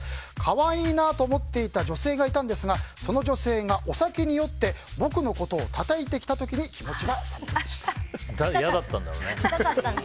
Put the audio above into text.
可愛いなと思っていた女性がいたんですがその女性がお酒に酔って僕のことをたたいてきた時にただ嫌だったんだろうね。